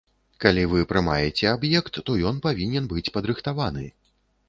Калі вы прымаеце аб'ект, то ён павінен быць падрыхтаваны.